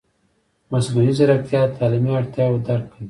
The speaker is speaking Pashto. مصنوعي ځیرکتیا د تعلیمي اړتیاوو درک کوي.